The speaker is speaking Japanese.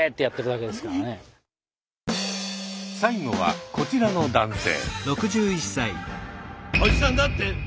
最後はこちらの男性。